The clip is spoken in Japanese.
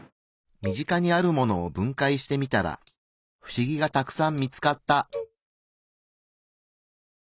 身近にあるものを分解してみたらフシギがたくさん見つかった。